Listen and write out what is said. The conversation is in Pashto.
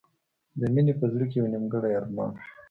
د مینې په زړه کې یو نیمګړی ارمان و